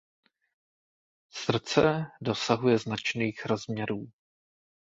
Srdce dosahuje značných rozměrů.